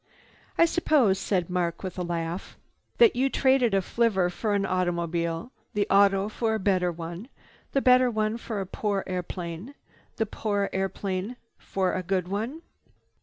"I suppose," said Mark with a laugh, "that you traded a flivver for an automobile, the auto for a better one, the better one for a poor airplane, the poor plane for a good one?"